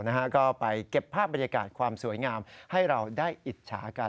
นะฮะก็ไปเก็บภาพบรรยากาศความสวยงามให้เราได้อิจฉากัน